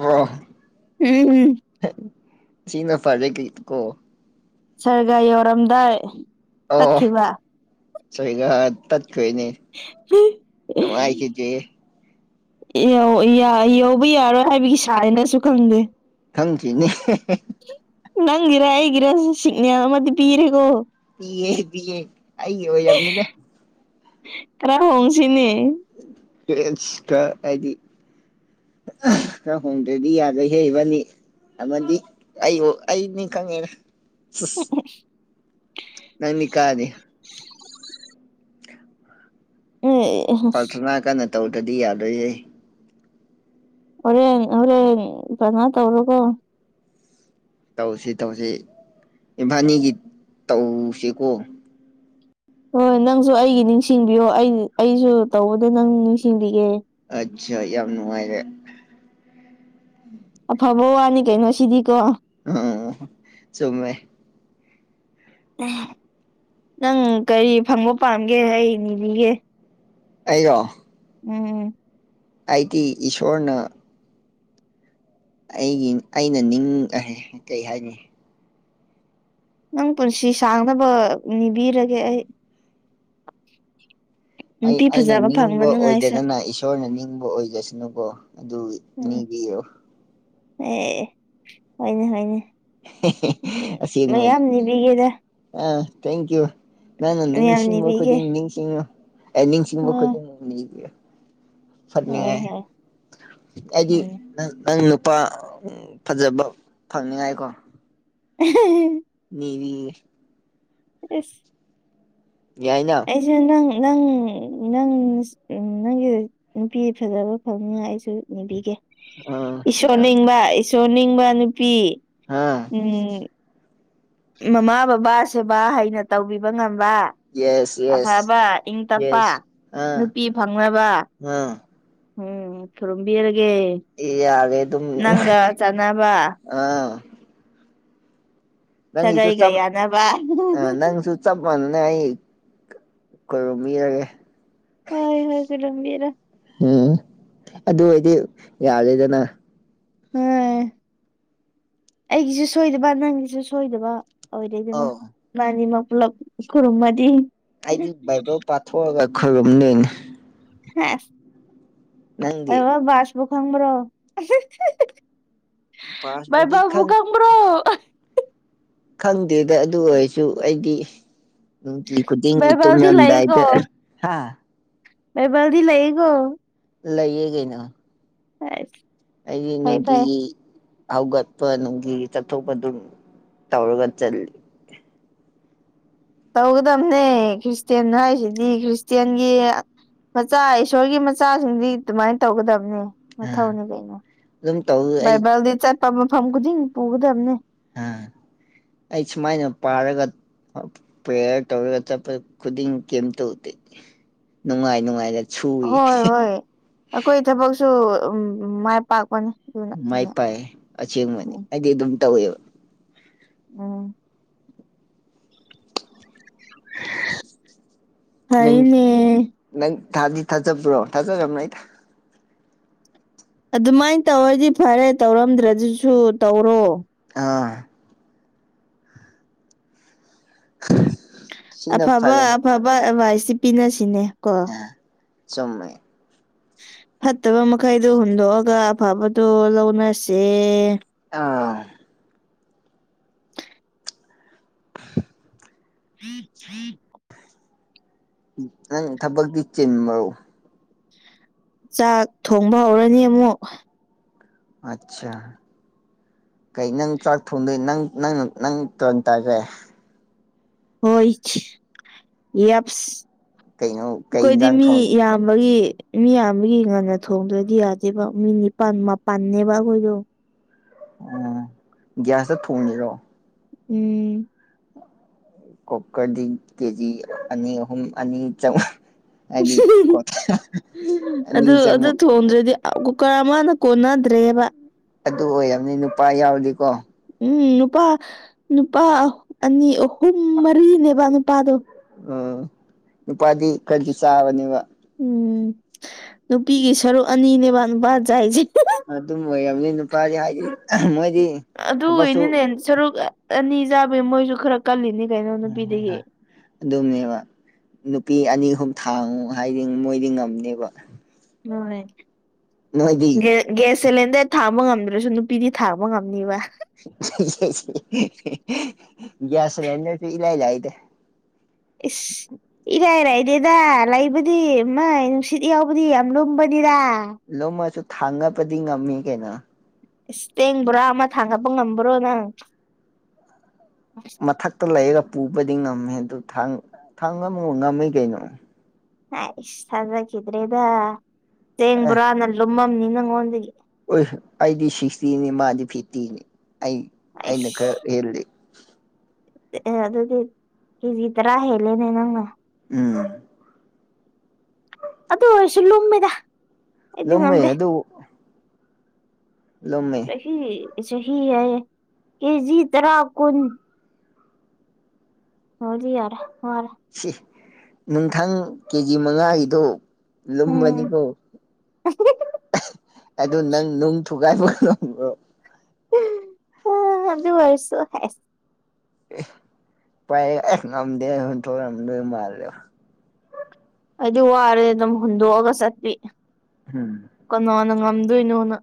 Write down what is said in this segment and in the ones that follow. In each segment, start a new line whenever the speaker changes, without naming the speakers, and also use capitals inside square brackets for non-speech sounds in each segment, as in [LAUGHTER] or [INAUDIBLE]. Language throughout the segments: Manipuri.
ꯑꯣ
ꯎꯝ ꯎꯝ
ꯍꯪ ꯊꯤꯅ ꯐꯔꯦ ꯀꯩꯀꯣ
ꯁ꯭ꯔꯒ ꯌꯧꯔꯝꯗꯥꯏ ꯇꯠꯈꯤꯕ
ꯁꯩꯒ ꯇꯠꯈꯤꯕꯩꯅꯦ ꯅꯨꯡꯉꯥꯏꯈꯤꯗ꯭ꯔꯦꯍꯦ
ꯌꯧ ꯌꯥ ꯌꯧꯕ ꯌꯥꯔꯣꯏ ꯍꯥꯏꯕꯒꯤ ꯁꯥꯏꯟꯅꯦꯁꯨ ꯈꯪꯗꯦ
ꯈꯪꯗ꯭ꯔꯤꯅꯦ ꯍꯦꯍꯦ
ꯅꯪꯒꯤꯔ ꯑꯩꯒꯤꯔ ꯁꯤꯒꯅꯦꯜ ꯑꯃꯗꯤ ꯄꯤꯔꯦꯀꯣ
ꯄꯤꯌꯦ ꯄꯤꯌꯦ ꯑꯩꯒꯤ ꯑꯣꯏꯔꯝꯅꯤꯗ
ꯈꯔ ꯍꯣꯡꯁꯤꯅꯦ
ꯏꯁ ꯀꯥꯏ ꯑꯗꯤ ꯈꯔ ꯍꯣꯡꯗ꯭ꯔꯗꯤ ꯌꯥꯔꯣꯏꯍꯦ ꯏꯕꯥꯟꯅꯤ ꯑꯃꯗꯤ ꯑꯩꯑꯣ ꯑꯩ ꯅꯤ ꯈꯪꯉꯦꯗ ꯁꯨꯁ ꯅꯪꯗꯤ ꯀꯥꯅꯤ
ꯑꯦ
ꯄ꯭ꯔꯊꯥꯅꯥ ꯀꯟꯅ ꯇꯧꯗ꯭ꯔꯗꯤ ꯌꯥꯔꯣꯏꯌꯦ
ꯍꯣꯔꯦꯟ ꯍꯣꯔꯦꯟ ꯄ꯭ꯔꯥꯊꯥꯅꯥ ꯇꯧꯔꯣꯀꯣ
ꯇꯧꯁꯤ ꯇꯧꯁꯤ ꯏꯕꯥꯟꯅꯤꯒꯤ ꯇꯧꯁꯤꯀꯣ
ꯍꯣꯏ ꯅꯪꯁꯨ ꯑꯩꯒꯤ ꯅꯤꯡꯁꯤꯡꯕꯤꯌꯣ ꯑꯩ ꯑꯩꯁꯨ ꯇꯧꯕꯗꯣ ꯅꯪ ꯅꯤꯡꯁꯤꯡꯕꯤꯒꯦ
ꯑꯠꯆꯥ ꯌꯥꯝ ꯅꯨꯡꯉꯥꯏꯔꯦ
ꯑꯐꯕ ꯋꯥꯅꯤ ꯀꯩꯅꯣ ꯁꯤꯗꯤꯀꯣ
ꯑꯣ ꯆꯨꯝꯃꯦ
ꯅꯪ ꯀꯔꯤ ꯐꯪꯕ ꯄꯥꯝꯒꯦ ꯑꯩ ꯅꯤꯕꯤꯒꯦ
ꯑꯩꯔꯣ
ꯎꯝ
ꯑꯩꯗꯤ ꯏꯁꯣꯔꯅ ꯑꯩꯒꯤ ꯑꯩꯅ ꯅꯤꯡꯊꯤꯔꯕ ꯑꯍꯥ ꯀꯩ ꯍꯥꯏꯅꯤ
ꯅꯪ ꯄꯨꯟꯁꯤ ꯁꯥꯡꯅꯕ ꯅꯤꯕꯤꯔꯒꯦ ꯑꯩ
ꯑꯩ
ꯅꯨꯄꯤ
ꯑꯩꯅ
ꯐꯖꯕ ꯐꯪꯕ
ꯅꯤꯡꯕ
ꯅꯨꯡꯉꯥꯏꯁꯨ
ꯑꯣꯏꯗꯗꯅ ꯏꯁꯣꯔꯅ ꯅꯤꯡꯕ ꯑꯣꯏꯖꯁꯅꯨꯀꯣ ꯑꯗꯨꯒꯤ
ꯎꯝ
ꯅꯤꯕꯤꯌꯣ
ꯑꯦ ꯍꯣꯏꯅꯦ ꯍꯣꯏꯅꯦ ꯎꯝ
ꯑꯁꯦꯡꯕꯅꯤ
ꯃꯌꯥꯝ ꯅꯤꯕꯤꯒꯦꯗ
ꯑꯥ ꯊꯦꯡ ꯛꯌꯨ ꯅꯪꯅ
ꯃꯌꯥꯝ
ꯅꯤꯡꯁꯤꯡꯕ
ꯅꯤꯕꯤꯒꯦ
ꯈꯨꯗꯤꯡ ꯅꯤꯡ ꯅꯤꯌꯨ ꯑꯩ ꯅꯤꯡꯁꯤꯡꯕ
ꯎꯝ
ꯈꯨꯗꯤꯡ ꯅꯤꯕꯤꯌꯣ
ꯍꯣꯏ
ꯐꯠꯅꯤꯡꯉꯥꯏ
ꯍꯣꯏ
ꯑꯩꯗꯤ
ꯍꯣꯏꯅꯦ
ꯅꯪ ꯅꯪ ꯅꯨꯄꯥ ꯐꯖꯕ ꯐꯪꯅꯤꯉꯥꯏꯀꯣ
[UNINTELLIGIBLE]
ꯅꯤꯗꯤ
ꯏꯁ
ꯌꯥꯏꯅ
ꯑꯩꯁꯦ ꯅꯪ ꯅꯪ ꯅꯪ ꯑꯁ ꯅꯪꯒꯤ ꯅꯨꯄꯤ ꯐꯖꯕ ꯐꯪꯅꯤꯉꯥꯏ ꯑꯩꯁꯨ ꯅꯤꯕꯤꯒꯦ
ꯑꯥ
ꯏꯁꯣꯔ
ꯌꯥꯝ
ꯅꯤꯡꯕ ꯏꯁꯣꯔ ꯅꯤꯡꯕ ꯅꯨꯄꯤ
ꯍꯥꯥ
ꯎꯝ ꯃꯃꯥ ꯕꯕꯥ ꯁꯦꯕꯥ ꯍꯩꯅ ꯇꯧꯕꯤꯕ ꯉꯝꯕ
ꯌꯦꯁ ꯌꯦꯁ
ꯑꯐꯕ ꯏꯪ ꯇꯞꯄ ꯅꯨꯄꯤ ꯐꯪꯅꯕ
ꯅꯥ
ꯎꯝ ꯈꯨꯔꯨꯝꯕꯤꯔꯒꯦ
ꯌꯥꯔꯦ ꯑꯗꯨꯝ
ꯅꯪꯒ ꯆꯥꯟꯅꯕ
ꯑꯥ ꯅꯪꯒꯤꯁꯨ
ꯁꯥꯒꯩꯒ
ꯆꯥꯝ
ꯌꯥꯅꯕ
ꯑꯥ ꯅꯪꯁꯨ ꯆꯥꯞ ꯃꯥꯟꯅꯅ ꯑꯩ ꯈꯨꯔꯨꯝꯕꯤꯔꯒꯦ
ꯍꯣꯏ ꯍꯣꯏ ꯈꯨꯔꯨꯝꯕꯤꯔꯣ
ꯎꯝ ꯑꯗꯨ ꯑꫭꯏꯗꯤ ꯌꯥꯗꯦꯗꯅ
ꯍꯣꯏ ꯑꯩꯒꯤꯁꯨ ꯁꯣꯏꯗꯕ ꯅꯪꯒꯤꯁꯨ ꯁꯣꯏꯗꯕ ꯑꯣꯏꯔꯦꯗꯅ
ꯑꯧ
ꯏꯕꯅꯤꯃꯛ ꯄꯨꯂꯥꯞ ꯈꯨꯔꯨꯝꯃꯗꯤ
ꯑꯩꯗꯤ ꯕꯥꯏꯕꯜ ꯄꯥꯊꯣꯛꯑꯒ ꯈꯨꯔꯨꯝꯗꯨꯏꯅꯤ
ꯁꯦꯁ
ꯅꯪꯗꯤ
ꯕꯥꯏꯕꯜ ꯕꯥꯔꯁꯄꯨ ꯈꯪꯕ꯭ꯔꯣ
ꯄꯥꯁꯄꯨꯗꯤ
ꯕꯥꯏꯕꯜꯕꯨ
ꯈꯪ
ꯈꯪꯕ꯭ꯔꯣ
ꯈꯪꯗꯦꯗ ꯑꯗꯨ ꯑꯣꯏꯔꯁꯨ ꯑꯩꯗꯤ ꯅꯨꯡꯇꯤ ꯈꯨꯗꯤꯡꯒꯤ
ꯕꯥꯏꯕꯜꯗꯤ ꯂꯩꯀꯣ
ꯇꯨꯝꯂꯝꯗꯥꯏꯗ ꯍꯥꯥ
ꯕꯥꯏꯕꯜꯗꯤ ꯂꯩꯌꯦꯀꯣ
ꯂꯩꯌꯦ ꯀꯩꯅꯣ
ꯁꯦꯁ
ꯑꯩꯗꯤ ꯅꯨꯡꯇꯤꯒꯤ ꯍꯧꯒꯠꯄ ꯅꯨꯡꯇꯤꯒꯤ ꯆꯠꯊꯣꯛꯄ ꯑꯗꯨꯝ ꯇꯧꯔꯒ ꯆꯠꯂꯤ
ꯇꯧꯒꯗꯝꯅꯦ ꯈ꯭ꯔꯤꯁꯇꯦꯟ ꯍꯥꯏꯁꯤꯗꯤ ꯈ꯭ꯔꯤꯁꯇꯦꯟꯒꯤ ꯃꯆꯥ ꯏꯁꯣꯔꯒꯤ ꯃꯆꯥꯁꯤꯡꯗꯤ ꯑꯗꯨꯃꯥꯏ ꯇꯧꯒꯗꯕꯅꯦ
ꯑꯥ
ꯃꯊꯧꯅꯦ ꯀꯩꯅꯣ
ꯑꯗꯨꯝ ꯇꯧꯋꯤ ꯑꯩ
ꯕꯥꯏꯕꯜꯗꯤ ꯆꯠꯄ ꯃꯐꯝ ꯈꯨꯗꯤꯡ ꯄꯨꯒꯗꯕꯅꯦ
ꯍꯥ ꯑꯩ ꯁꯨꯃꯥꯏꯅ ꯄꯥꯔꯒ ꯄ꯭ꯔꯦꯌꯔ ꯇꯧꯔꯒ ꯆꯠꯄ ꯈꯨꯗꯤꯡ ꯀꯦꯝꯇꯧꯗꯦ ꯅꯨꯡꯉꯥꯏ ꯅꯨꯡꯉꯥꯏꯅ ꯁꯨꯏ
ꯍꯣꯏ ꯍꯣꯏ ꯑꯩꯈꯣꯏ ꯊꯕꯛꯁꯨ ꯎꯝ ꯃꯥꯏ ꯄꯥꯛꯄꯅꯤ ꯑꯗꯨꯅ
ꯃꯥꯏ
ꯍꯦꯟꯅ
ꯄꯥꯛꯑ ꯑꯁꯦꯡꯕꯅꯤ ꯑꯩꯗꯤ ꯑꯗꯨꯝ ꯇꯧꯋꯦꯕ
ꯎꯝ꯫
ꯅꯪ
ꯍꯩꯅꯦ
ꯅꯪ ꯊꯥꯗꯤ ꯊꯥꯖꯕ꯭ꯔꯣ ꯊꯥꯖꯔꯝꯔꯩꯗ
ꯑꯗꯨꯃꯥꯏ ꯇꯧꯔꯗꯤ ꯐꯔꯦ ꯇꯧꯔꯝꯗ꯭ꯔꯥꯗꯨꯁꯨ ꯇꯧꯔꯣ
ꯑꯥ [INAUDIBLE]
ꯑꯐꯕ
ꯐꯔꯦ
ꯑꯐꯕ ꯑꯦꯗꯚꯥꯏꯁꯤ ꯄꯤꯅꯁꯤꯅꯦ ꯀꯣ
ꯑ ꯆꯨꯝꯃꯦ
ꯐꯠꯇꯕ ꯃꯈꯩꯗꯨ ꯍꯨꯟꯗꯣꯛꯑꯒ ꯑꯐꯕꯗꯣ ꯂꯧꯅꯁꯦ
ꯑꯥ [INAUDIBLE]
[INAUDIBLE]
ꯅꯪ ꯊꯕꯛꯇꯤ ꯆꯤꯟꯕ꯭ꯔꯣ
ꯆꯥꯛ ꯊꯣꯡꯕ ꯍꯧꯔꯅꯤ ꯑꯃꯨꯛ
ꯑꯆꯥ ꯀꯩ ꯅꯪ ꯆꯥꯛ ꯊꯣꯡꯗꯣꯏ ꯅꯪ ꯅꯪꯅ ꯅꯪ ꯇꯣꯟ ꯇꯥꯒꯦ
ꯍꯣꯏꯆ ꯌꯞꯁ
ꯀꯩꯅꯣ ꯀꯩ
ꯑꯈꯣꯏꯗꯤ
ꯏꯟꯖꯥꯡ
ꯃꯤ
ꯊꯣꯡ
ꯌꯥꯝꯕꯒꯤ ꯃꯤ ꯌꯥꯝꯕꯒꯤ ꯉꯟꯅ ꯊꯣꯡꯗ꯭ꯔꯗꯤ ꯌꯥꯗꯦꯕ ꯃꯤ ꯅꯤꯄꯥꯥꯟ ꯃꯥꯄꯟꯅꯅꯦꯕ ꯑꯩꯈꯣꯏꯗꯣ
ꯎꯝ ꯒ꯭ꯌꯥꯁꯇ ꯊꯣꯡꯒꯦꯔꯣ
ꯎꯝ
ꯀꯣꯀꯔ ꯗꯤ ꯀꯦꯖꯤ ꯑꯅꯤ ꯑꯍꯨꯝ ꯑꯅꯤ ꯆꯝ
ꯑꯗꯨ
ꯑꯅꯤ
ꯑꯗꯨ
ꯆꯪꯉꯨ
ꯊꯣꯡꯗ꯭ꯔꯗꯤ ꯀꯨꯀꯔ ꯑꯃꯅ ꯀꯣꯟꯅꯗ꯭ꯔꯦꯕ
ꯑꯗꯨ ꯑꯣꯏꯔꯝꯅꯤ ꯅꯨꯄꯥ ꯌꯥꯎꯔꯗꯤꯀꯣ
ꯎꯝ ꯅꯨꯄꯥ ꯅꯨꯄꯥ ꯑꯅꯤ ꯑꯍꯨꯝ ꯃꯔꯤꯅꯦꯕ ꯅꯨꯄꯥꯗꯣ
ꯎꯝ ꯅꯨꯄꯥꯗꯤ ꯈꯔꯗꯤ ꯆꯥꯕꯅꯦꯕ
ꯎꯝ ꯅꯨꯄꯤꯒꯤ ꯁꯔꯨꯛ ꯑꯅꯤꯅꯦꯕ ꯅꯨꯄꯥ ꯆꯥꯏꯖꯦ
ꯑꯗꯨꯝ ꯑꯣꯏꯔꯝꯅꯤ ꯅꯨꯄꯥꯗꯤ ꯍꯥꯏꯗꯤ ꯃꯣꯏꯗꯤ ꯊꯕꯛꯁꯨ
ꯑꯗꯨꯒꯤꯅꯤꯅꯦ ꯁꯔꯨꯛ ꯑꯅꯤ ꯆꯥꯕꯩ ꯃꯣꯏꯁꯨ ꯈꯔ ꯀꯜꯂꯤꯅꯤ ꯀꯩꯅꯣ ꯅꯨꯄꯤꯗꯒꯤ
ꯑꯗꯨꯝꯅꯦꯕ ꯅꯨꯄꯤ ꯑꯅꯤ ꯑꯍꯨꯝ ꯊꯥꯡꯉꯨ ꯍꯥꯏꯗꯤ ꯃꯣꯏꯗꯤ ꯉꯝꯅꯦꯕ
ꯍꯣꯏ
ꯅꯣꯏꯗꯤ
ꯒꯦ ꯒ꯭ꯌꯥꯁ ꯁꯤꯂꯤꯟꯗꯔ ꯊꯥꯡꯕ ꯉꯝꯗ꯭ꯔꯁꯨ ꯅꯨꯄꯤꯗꯤ ꯊꯥꯡꯕ ꯉꯝꯅꯤꯕ
ꯒ꯭ꯌꯥꯁ ꯁꯤꯂꯤꯟꯗꯔꯗꯤ ꯏ ꯂꯥꯏ ꯂꯥꯏꯗ
ꯏꯁ ꯏꯔꯥꯏꯔꯥꯏꯗꯦꯗ ꯂꯩꯕꯗꯤ ꯃ ꯅꯨꯡꯁꯤꯠ ꯌꯥꯎꯕꯗꯤ ꯌꯥꯝ ꯂꯨꯝꯕꯅꯤꯗ
ꯂꯨꯝꯃꯁꯨ ꯊꯥꯡꯉꯄꯗꯤ ꯉꯝꯃꯤ ꯀꯩꯅꯣ
ꯏꯁ ꯆꯦꯡꯕꯣꯔꯥ ꯑꯃ ꯊꯥꯡꯒꯠꯄ ꯉꯝꯕ꯭ꯔꯣ ꯅꯪ
ꯃꯊꯛꯇ ꯂꯩꯔ ꯄꯨꯕꯗꯤ ꯉꯝꯃꯦ ꯑꯗꯨ ꯊꯥꯡ ꯊꯥꯡ ꯉꯝꯃꯨ ꯉꯝꯃꯤ ꯀꯩꯅꯣ
ꯍꯥꯏ ꯏꯁ ꯊꯥꯖꯈꯤꯗ꯭ꯔꯦꯗ
ꯑꯦ
ꯆꯦꯡꯕꯣꯔꯥꯅ ꯂꯨꯝꯃꯝꯅꯤ ꯅꯪꯉꯣꯟꯗꯒꯤ
ꯑꯣꯏ ꯑꯩꯗꯤ ꯁꯤꯛꯁꯇꯤꯅꯤ ꯃꯥꯗꯤ ꯐꯤꯐꯇꯤꯅꯤ ꯑꯩ ꯑꯩꯅ ꯈꯔ ꯍꯦꯜꯂꯦ
ꯑꯦꯑꯦ ꯑꯗꯨꯗꯤ ꯀꯦꯖꯤ ꯇꯔꯥ ꯍꯦꯜꯂꯦꯅꯦ ꯅꯪꯅ
ꯎꯝ
ꯑꯗꯨ ꯑꯣꯏꯁꯨ ꯂꯨꯝꯃꯤꯗ
ꯂꯨꯝꯃꯦ ꯑꯗꯨ ꯂꯨꯝꯃꯦ
ꯆꯍꯤ ꯁꯍꯤ ꯍꯥꯏꯌꯦ ꯀꯦꯖꯤ ꯇꯔꯥ ꯀꯨꯟ ꯍꯧꯗꯤ ꯌꯥꯔꯦ ꯋꯥꯔꯦ
ꯁꯤ ꯅꯨꯡꯊꯪ ꯀꯦꯖꯤ ꯃꯉꯥꯒꯤꯗꯣ
ꯎꯝ
ꯂꯨꯝꯕꯅꯤꯀꯣ ꯑꯗꯨ ꯅꯪ ꯅꯨꯡ ꯊꯨꯒꯥꯏꯕ ꯉꯕ꯭ꯔꯣ
ꯑ ꯑꯗꯨ ꯑꯣꯏꯔꯁꯨ ꯍꯦꯁ
ꯑꯦ ꯄꯥꯏ ꯑꯦ ꯉꯝꯗꯦ ꯍꯨꯟꯊꯣꯛꯑꯝꯗꯣꯏ ꯃꯥꯜꯂꯦꯕ
ꯑꯩꯗꯤ ꯋꯥꯔꯦ ꯑꯗꯨꯝ ꯍꯨꯗꯣꯛꯑꯒ ꯆꯠꯄꯤ
ꯎꯝ
ꯀꯅꯥꯅ ꯉꯝꯗꯣꯏꯅꯣꯅ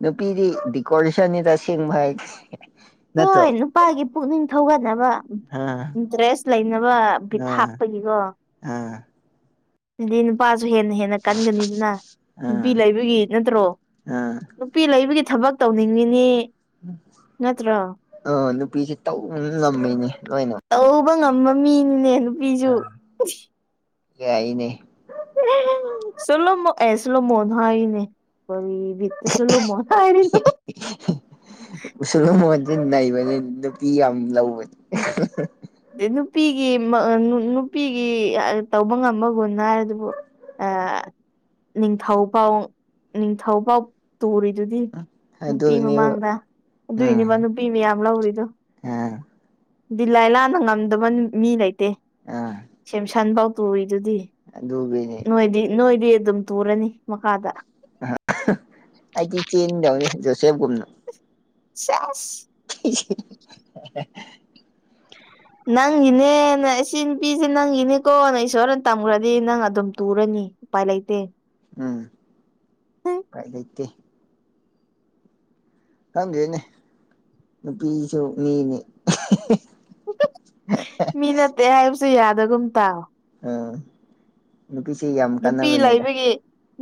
ꯅꯨꯄꯤꯗꯤ ꯗꯤꯀꯣꯔꯤꯁꯟꯅꯤꯗ ꯑꯁꯦꯡꯕ ꯍꯥꯏꯗꯤ ꯅꯠꯇ꯭ꯔꯣ
ꯍꯣꯏ ꯅꯨꯄꯥꯒꯤ ꯄꯨꯛꯅꯤꯡ ꯊꯧꯒꯠꯅꯕ
ꯑꯥ
ꯏꯟꯇ꯭ꯔꯦꯁ ꯂꯩꯅꯕ ꯕꯤꯠ ꯍꯥꯥꯞꯄꯒꯤꯀꯣ
ꯑ
ꯑꯗꯨꯗꯤ ꯅꯨꯄꯥꯁꯨ ꯍꯦꯟꯅ ꯍꯦꯟꯅ ꯀꯟꯒꯅꯤꯗꯅ ꯅꯨꯄꯤ
ꯑꯥ
ꯂꯩꯕꯒꯤ ꯅꯠꯇ꯭ꯔꯣ
ꯑꯥ
ꯅꯨꯄꯤ ꯂꯩꯕꯒꯤ ꯊꯕꯛ ꯇꯧꯅꯤꯡꯉꯤꯅꯤ ꯅꯠꯇ꯭ꯔꯣ
ꯑ ꯅꯨꯄꯤꯁꯦ ꯇꯧ ꯉꯝꯃꯤꯅꯤ ꯂꯣꯏꯅ
ꯇꯧꯕ
ꯑ
ꯊꯤ
ꯌꯥꯏꯌꯦꯅꯦ
ꯆꯂꯣꯃꯣ ꯑꯦ ꯆꯣꯂꯣꯃꯣꯟ ꯍꯥꯏꯅꯦ ꯀꯔꯤ ꯕꯤꯠ ꯁꯣꯂꯣ ꯃꯣ ꯍꯥꯏꯔꯤ
ꯁꯣꯜꯂꯣꯃꯣꯟꯁꯦ ꯅꯩꯕꯅꯤ ꯅꯨꯄꯤ ꯌꯥꯝ ꯂꯧꯕꯅꯤ
ꯅꯨꯄꯤꯒꯤ ꯅꯨꯄꯤꯒꯤ ꯇꯧꯕ ꯉꯝꯕ ꯒꯨꯟ ꯍꯥꯏ ꯑꯗꯨꯕꯨ
[INAUDIBLE]
ꯅꯤꯡꯊꯧ ꯄꯥꯎ ꯅꯤꯡꯊꯧꯄꯥꯎ ꯇꯨꯔꯤꯗꯨꯗꯤ ꯅꯨꯄꯤ
ꯑꯗꯨꯅꯦꯕ
ꯃꯃꯥꯡꯗ ꯑꯗꯨꯏꯅꯦꯕ ꯅꯨꯄꯤ ꯃꯌꯥꯝ ꯂꯧꯔꯤꯗꯣ
ꯑ
ꯗꯤꯂꯥꯏ ꯂꯥꯅ ꯉꯝꯗꯕ ꯃꯤ ꯂꯩꯇꯦ ꯁꯦꯝꯁꯟꯐꯧ ꯇꯣꯏꯗꯨꯗꯤ
ꯨꯗꯨꯒꯤꯅꯦ
ꯅꯣꯏꯗꯤ ꯅꯣꯏꯗꯤ ꯑꯗꯨꯝ ꯇꯨꯔꯅꯤ ꯃꯈꯥꯗ
ꯑꯩꯗꯤ ꯆꯦꯟꯗꯧꯅꯦ ꯖꯣꯁꯦꯐꯒꯨꯝꯅ
ꯆꯦꯁ
[UNINTELLIGIBLE]
ꯅꯪꯒꯤꯅꯦꯅꯦ ꯏꯁꯤ ꯅꯨꯄꯤꯁꯦ ꯅꯪꯒꯤꯅꯦꯀꯣ ꯅꯪ ꯏꯁꯣꯔꯅ ꯇꯝꯈ꯭ꯔꯗꯤ ꯅꯪ ꯑꯗꯨꯝ ꯇꯨꯔꯅꯤ ꯎ ꯄꯥꯏ ꯂꯩꯇꯦ
ꯎꯝ ꯄꯥꯏ ꯂꯩꯇꯦ ꯈꯪꯗꯏꯅꯦ ꯅꯨꯄꯤꯁꯨ ꯃꯤꯅꯤ [UNINTELLIGIBLE]
ꯃꯤ ꯅꯠꯇꯦ ꯍꯥꯏꯕꯁꯨ ꯌꯥꯗꯒꯨꯝ ꯇꯥꯎ
ꯎꯝ ꯅꯨꯄꯤꯁꯤ ꯌꯥꯝ
ꯅꯨꯄꯤ
ꯀꯥꯟꯅꯕꯅꯤꯗ
ꯂꯩꯕꯒꯤ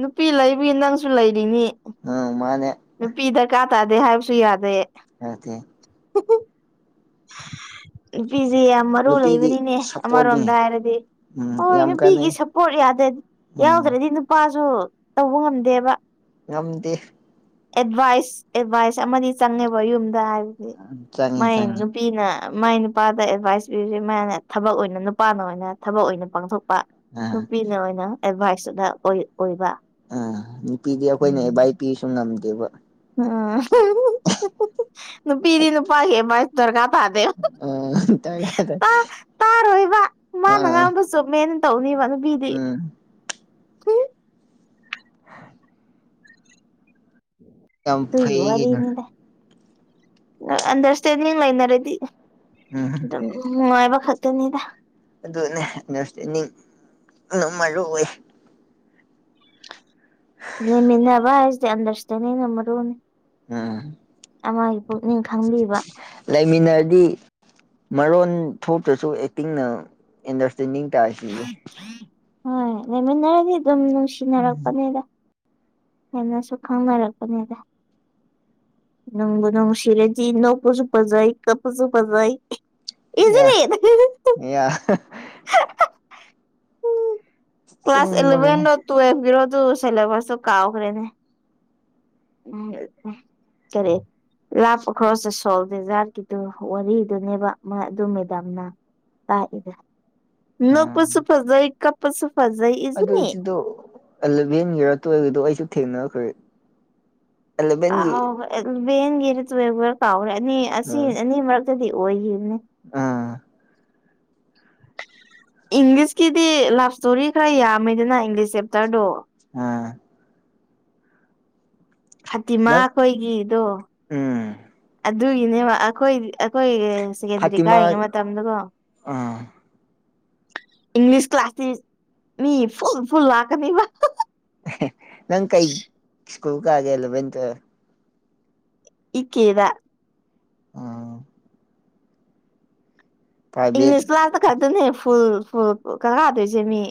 ꯅꯨꯄꯤ ꯂꯩꯕꯤ ꯅꯪꯁꯨ ꯂꯩꯔꯤꯅꯤ
ꯑ ꯃꯥꯅꯦ
ꯅꯨꯄꯤ ꯗꯥꯔꯀꯥ ꯇꯥꯗꯦ ꯍꯥꯏꯕꯁꯨ ꯌꯥꯗꯦ
ꯌꯥꯗꯤ
[UNINTELLIGIBLE] ꯅꯨꯄꯤꯁꯦ ꯌꯥꯝ ꯃꯔꯨ
ꯅꯨꯄꯤꯒꯤ
ꯂꯩꯕꯅꯤꯅꯦ ꯑꯃꯔꯣꯝꯗ
ꯁꯞꯄꯣꯔꯠꯅꯤ
ꯍꯥꯏꯔꯗꯤ
ꯎꯝ
ꯍꯣꯏ
ꯌꯥꯝ
ꯅꯨꯄꯤꯒꯤ
ꯀꯥꯟꯅꯩ
ꯁꯄꯣꯔꯠ ꯌꯥꯗ
ꯎꯝ
ꯌꯥꯎꯗ꯭ꯔꯗꯤ ꯅꯨꯄꯥꯁꯨ ꯇꯧꯕ ꯉꯝꯗꯦꯕ
ꯉꯝꯗꯦ
ꯑꯦꯗꯚꯥꯏꯁ ꯑꯦꯗꯚꯥꯏꯁ ꯑꯃꯗꯤ ꯆꯪꯉꯦꯕ ꯌꯨꯝꯗ ꯍꯥꯏꯕꯗꯤ
ꯆꯪꯉꯤ
ꯃꯥꯏ
ꯆꯪꯉꯤ
ꯅꯨ ꯄꯤꯅ ꯃꯥꯏ ꯅꯨꯄꯥꯗ ꯑꯦꯗꯚꯥꯏꯁ ꯄꯤꯔꯗꯤ ꯃꯥꯅ ꯊꯕꯛ ꯑꯣꯏꯅ ꯅꯨꯄꯥꯅ ꯑꯣꯏꯅ ꯊꯕꯛ ꯑꯣꯏꯅ ꯄꯥꯡꯊꯣꯛꯄ
ꯑꯥ
ꯅꯨꯄꯤꯅ ꯑꯣꯏꯅ ꯑꯦꯗꯚꯥꯏꯁꯇꯨꯗ ꯑꯣꯏ ꯑꯣꯏꯕ
ꯑꯥ ꯅꯨꯄꯤꯗꯤ ꯑꯩꯈꯣꯏꯅ ꯑꯦ ꯚꯥꯏ ꯄꯤꯁꯨ ꯉꯝꯗꯦꯕ
ꯑ [UNINTELLIGIBLE] ꯅꯨꯄꯤꯗꯤ ꯅꯨꯄꯥꯥꯒꯤꯑꯦꯗꯕꯥꯢꯁ ꯗꯔꯒꯥꯔ ꯇꯥꯗꯦ
ꯗꯔꯀꯥꯔ ꯇꯥꯗꯦ
ꯇꯥꯔꯣꯏꯕ ꯃꯥꯅ ꯉꯥꯡꯕꯗꯣ
ꯎꯝ
ꯆꯨꯝꯃꯦꯅ ꯇꯧꯅꯤꯕ ꯅꯨꯄꯤꯗꯤ
ꯎ
ꯇꯨꯒꯤ ꯋꯥꯔꯤꯅꯤꯗ꯫ ꯅꯪ ꯑꯟꯗꯔꯁꯇꯦꯟꯗꯤꯡ ꯂꯩꯅꯔꯗꯤ
ꯎꯝ
ꯑꯗꯨꯝ ꯅꯨꯡꯉꯥꯏꯕꯈꯛ ꯇꯨꯅꯤꯗ꯫
ꯑꯗꯨꯅꯦ ꯅꯥꯔꯁ ꯇꯦꯜꯅꯤꯡꯅ ꯃꯔꯨ ꯑꯣꯢ꯫
ꯂꯩꯃꯤꯟꯅꯕ ꯍꯥꯢꯁꯦ ꯑꯟꯗꯔꯁꯇꯦꯟꯗꯤꯡꯅ ꯃꯔꯨꯅꯤ꯫
ꯎꯝ
ꯑꯃꯒꯤ ꯄꯨꯛꯅꯤꯡ ꯈꯪꯕꯤꯕ꯫
ꯂꯩꯃꯤꯟꯅꯔꯗꯤ ꯃꯔꯣꯟ ꯊꯣꯛꯇ꯭ꯔꯁꯨ ꯑꯦꯛꯇꯤꯡꯅ ꯑꯦꯟꯗꯔꯁꯇꯦꯟꯗꯤꯡ ꯇꯥꯏꯁꯤꯗꯤ꯫
ꯍꯣꯏ ꯂꯩꯃꯤꯟꯅꯔꯗꯤ ꯑꯗꯨꯝ ꯅꯨꯡꯁꯤꯅꯔꯛꯄꯅꯤꯗ꯫ ꯍꯦꯟꯅꯁꯨ ꯈꯪꯅꯔꯛꯄꯅꯦꯗ꯫ ꯅꯪꯕꯨ ꯅꯪ ꯁꯤꯔꯗꯤ ꯅꯣꯛꯄꯖꯨ ꯐꯖꯩ ꯀꯞꯄꯖꯨ ꯐꯖꯩ꯫ ꯏꯖꯤꯂꯤ
ꯌꯥ ꯌꯥ
ꯀ꯭ꯂꯥꯁ ꯏꯂꯕꯦꯟ
ꯆꯨꯝꯕꯅꯤꯅꯦ
ꯂꯣ ꯇ꯭ꯋꯦꯜꯒꯤꯔꯣ ꯑꯗꯨ ꯁꯤꯂꯦꯕꯁꯇꯣ ꯀꯥꯎꯈ꯭ꯔꯦꯅꯦ꯫ ꯎꯝ ꯀꯔꯤ ꯂꯥꯞ ꯑꯈ꯭ꯔꯣꯁ ꯗ ꯁꯣꯜ ꯗꯦꯖꯥꯔꯠꯀꯤꯗꯨ ꯋꯥꯔꯤꯗꯨꯅꯦꯕ ꯃ ꯑꯗꯨ ꯃꯦꯗꯥꯝꯅ ꯇꯥꯛꯏꯗꯣ ꯅꯣꯛꯄꯁꯨ ꯐꯖꯩ ꯀꯞꯄꯁꯨ ꯐꯖꯩ ꯏꯖꯤꯅꯤ
ꯑꯗꯨꯖꯤꯡꯗꯣ ꯑꯦꯂꯚꯦꯟꯒꯤꯔ ꯇꯨꯋꯦꯜꯒꯤꯗꯣ ꯑꯩꯁꯨ ꯊꯦꯡꯅꯈ꯭ꯔꯦ꯫ ꯑꯦꯂꯚꯦꯟꯒꯤ
ꯀꯥꯎꯒ꯭ꯔꯦ ꯑꯦꯂꯚꯦꯟꯒꯤꯔ ꯇꯨꯋꯦꯜꯕꯒꯤꯔ ꯀꯥꯎꯒ꯭ꯔꯦ ꯑꯅꯤ ꯑꯁꯤ
ꯎꯝ
ꯑꯅꯤ ꯃꯔꯛꯇꯗꯤ ꯑꯣꯏꯒꯤ
ꯑꯥ
[UNINTELLIGIBLE] ꯏꯪꯂꯤꯁꯀꯤꯗꯤ ꯂꯞ ꯁ꯭ꯇꯣꯔꯤ ꯈꯔ ꯌꯥꯝꯃꯦꯗꯅ ꯏꯪꯂꯤꯁ ꯆꯦꯞꯇꯔꯗꯣ꯫
ꯑꯥ
ꯐꯇꯤꯃꯥ
ꯅꯪ
ꯑꯩꯈꯣꯏꯒꯤꯗꯣ
ꯎꯝ
ꯑꯗꯨꯒꯤꯅꯦꯕ ꯑꯈꯣꯏ ꯑꯈꯣꯏꯒꯤ ꯔꯦꯟꯁ ꯁꯦꯀꯦꯟꯗꯔꯤ
ꯐꯥꯇꯤꯃꯥ
ꯀꯥꯔꯤꯉꯩ ꯃꯇꯝꯗꯀꯣ
ꯑꯥ
ꯏꯪꯂꯤꯁ ꯀ꯭ꯂꯥꯁ ꯇꯤ ꯃꯤ ꯐꯨꯜ ꯐꯨꯜ ꯂꯥꯛꯀꯅꯤꯕ꯫
ꯅꯪ ꯀꯩ ꯁ꯭ꯀꯨꯜ ꯀꯥꯒꯦ ꯑꯦꯂꯕꯦꯟ ꯇꯨꯋꯦꯜꯕ꯫
ꯏ ꯀꯦꯗ
ꯑꯥ ꯄ꯭ꯔꯥꯏꯚꯦꯠ
ꯏꯪꯂꯤꯁ ꯀ꯭ꯂꯥꯁꯇ ꯈꯛꯇꯅꯦ ꯐꯨꯜ ꯐꯨꯜ ꯀꯥꯗꯣꯏꯁꯦ ꯃꯤ꯫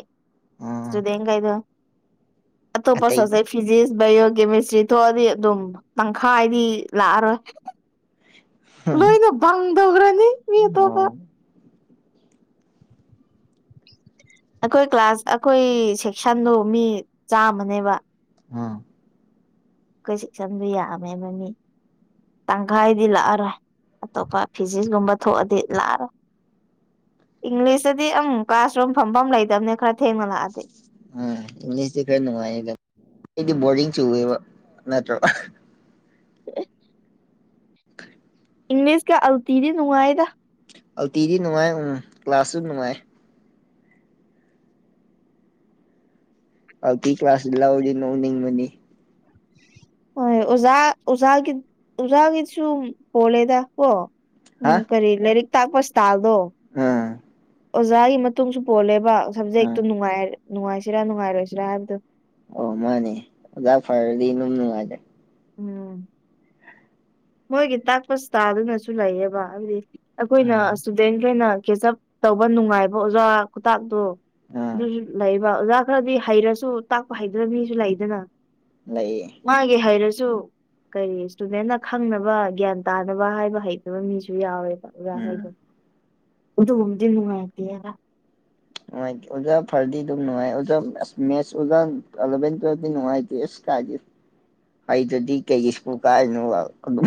ꯎꯝ
ꯁ꯭ꯇꯨꯗꯦꯟꯒꯩꯗꯣ꯫ ꯑꯇꯣꯞꯄ
ꯑꯇꯩꯒꯤ
ꯁꯕꯖꯦꯛ ꯐꯤꯖꯤꯛꯁ ꯕꯥꯏꯌꯣ ꯀꯦꯃꯤꯁꯇ꯭ꯔꯤ ꯊꯣꯛꯑꯗꯤ ꯑꯗꯨꯝ ꯇꯪꯈꯥꯏꯗꯤ ꯂꯥꯛꯑꯔꯣꯏ꯫
ꯍꯥ
ꯂꯣꯏꯅ ꯕꯪ ꯗꯧꯒ꯭ꯔꯅꯤ ꯃꯤ ꯇꯣꯞꯄ꯫ ꯑꯩꯈꯣꯏ ꯀ꯭ꯂꯥꯁ ꯑꯩꯈꯣꯏ ꯁꯦꯛꯁꯟꯗꯣ ꯃꯤ ꯆꯥꯝꯃꯅꯦꯕ꯫
ꯑꯝ
ꯑꯩꯈꯣꯏ ꯁꯦꯛꯁꯟꯗꯤ ꯌꯥꯝꯃꯦꯕ ꯃꯤ꯫ ꯇꯪꯈꯥꯏꯗꯤ ꯂꯥꯛꯑꯔꯣꯏ ꯑꯇꯣꯞꯄ ꯐꯤꯖꯤꯛꯁꯒꯨꯝꯕ ꯊꯣꯛꯑꯗꯤ ꯂꯥꯛꯑꯔꯣꯏ꯫ ꯏꯪꯂꯤꯁꯇꯗꯤ ꯑꯝ ꯀ꯭ꯂꯥꯁ ꯔꯨꯝ ꯐꯝꯐꯝ ꯂꯩꯇꯕꯅꯦ ꯈꯔ ꯊꯦꯡꯅ ꯂꯥꯛꯑꯗꯤ
ꯑ ꯏꯪꯂꯤꯁꯇꯤ ꯈꯔ ꯅꯨꯡꯉꯥꯢꯌꯦꯗ ꯑꯩꯗꯤ
ꯎꯝ
ꯕꯣꯔꯤꯡ ꯆꯨꯝꯃꯦꯕ ꯅꯠꯇ꯭ꯔꯣ ꯑ
[INAUDIBLE] ꯏꯪꯂꯤꯁ ꯀ ꯑꯜꯇꯤꯗꯤ ꯅꯨꯡꯉꯥꯏꯗ꯫
ꯑꯜꯇꯤꯗꯤ ꯅꯨꯡꯉꯥꯏ ꯎꯝ ꯀ꯭ꯂꯥꯁꯁꯨ ꯅꯨꯡꯉꯥꯏ꯫ ꯑꯜꯇꯤ ꯀ꯭ꯂꯥꯁ ꯂꯧꯔꯗꯤ ꯅꯣꯛꯅꯤꯡꯕꯅꯦ꯫
ꯍꯣꯏ ꯑꯣꯖꯥ ꯑꯣꯖꯥꯒꯤ ꯑꯣꯖꯥꯒꯤꯁꯨ ꯄꯣꯂꯦꯗ ꯀꯣ ꯎꯝ ꯀꯔꯤ ꯂꯥꯏꯔꯤꯛ ꯇꯥꯛꯄ ꯏꯁ꯭ꯇꯥꯜꯗꯣ
ꯎꯝ
ꯑꯣꯖꯥꯒꯤ ꯃꯇꯨꯡꯁꯨ ꯄꯣꯜꯂꯦꯕ
ꯑꯥ
ꯁꯞꯖꯦꯛꯇꯨ ꯅꯨꯡꯉꯥꯢ ꯅꯨꯡꯉꯥꯏꯁꯤꯔꯥ ꯅꯨꯡꯉꯥꯏꯔꯣꯏꯁꯤꯔꯥ ꯍꯥꯏꯕꯗꯣ
ꯑꯣ ꯃꯥꯅꯦ ꯑꯣꯖꯥ ꯐꯔꯗꯤ ꯏꯅꯨꯡ ꯅꯨꯡꯉꯥꯢꯗ
ꯎꯝ ꯃꯣꯏꯒꯤ ꯇꯥꯛꯄ ꯁꯇꯥꯢꯜꯗꯨꯅꯁꯨ ꯂꯩꯌꯦꯕ ꯍꯥꯏꯕꯗꯤ ꯑꯩꯈꯣꯏꯅ ꯏꯁꯇꯨꯗꯦꯟꯈꯩꯅ ꯀꯦꯆꯞ ꯇꯧꯕ ꯅꯨꯡꯉꯥꯏꯕ ꯑꯣꯖꯥ ꯈꯨꯇꯥꯛꯇꯣ
ꯑꯥ
ꯑꯗꯨꯁꯨ ꯂꯩꯕ ꯑꯣꯖꯥ ꯈꯔꯗꯤ ꯍꯩꯔꯁꯨ ꯇꯥꯛꯄ ꯍꯩꯗꯕ ꯃꯤꯁꯨ ꯂꯩꯗꯅ
ꯂꯩꯌꯦ
ꯃꯥꯒꯤ ꯍꯩꯔꯁꯨ ꯀꯔꯤ ꯁ꯭ꯇꯨꯗꯦꯟꯅ ꯈꯪꯅꯕ ꯒ꯭ꯌꯥꯟ ꯇꯥꯅꯕ ꯍꯥꯏꯕ ꯍꯩꯇꯕ ꯃꯤꯁꯨ ꯌꯥꯎꯋꯦꯕ ꯑꯣꯖꯥ
ꯎꯝ
ꯍꯣꯢꯗꯣ ꯎꯗꯨꯒꯨꯝꯗꯤ ꯅꯨꯡꯉꯥꯏꯇꯦꯗ
ꯅꯨꯡꯉꯥꯏꯇꯦ ꯑꯣꯖꯥ ꯐꯥꯔꯗꯤ ꯗꯨꯝ ꯅꯨꯡꯉꯥꯏ ꯑꯣꯖꯥ ꯑꯁ ꯃꯦꯠꯁ ꯑꯣꯖꯥ ꯑꯦꯂꯚꯦꯟ ꯇ꯭ꯋꯦꯜꯕꯇꯤ ꯅꯨꯡꯉꯥꯏꯇꯦ ꯏꯁ ꯀꯥꯢꯗꯩ ꯍꯩꯇꯗꯤ ꯀꯩꯒꯤ ꯁ꯭ꯀꯨꯜ ꯀꯥꯔꯤꯅꯣꯕ ꯑꯗꯨ